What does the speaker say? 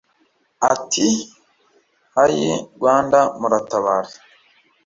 ati:”ayi rwanda muratabare